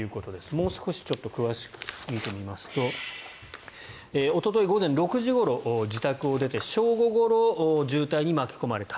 もう少し詳しく見てみますとおととい午前６時ごろ自宅を出て、正午ごろ渋滞に巻き込まれた。